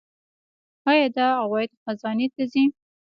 آیا دا عواید خزانې ته ځي؟